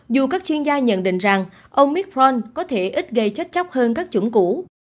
dù các chuyên gia nhận định rằng omicron có thể ít gây chất chóc hơn các chủng cũ